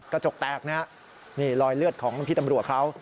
กระจกแตกนะฮะนี่รอยเลือดของพี่ตำรวจเขา